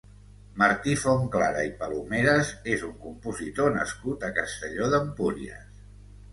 Martí Fontclara i Palomeras és un compositor nascut a Castelló d'Empúries.